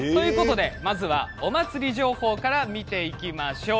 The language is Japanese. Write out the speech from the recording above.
まずはお祭り情報から見ていきましょう。